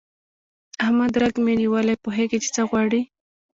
د احمد رګ مې نیولی، پوهېږ چې څه غواړي.